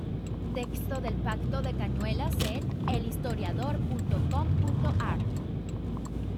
Texto del Pacto de Cañuelas en elhistoriador.com.ar